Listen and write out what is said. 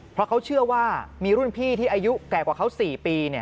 เพราะเขาเชื่อว่ามีรุ่นพี่ที่อายุแก่กว่าเขา๔ปี